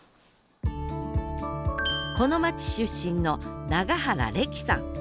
この町出身の永原レキさん。